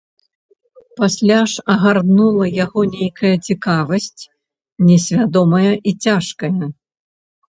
Пасля ж агарнула яго нейкая цікавасць, несвядомая і цяжкая.